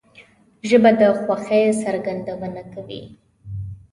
ژبه د خوښۍ څرګندونه کوي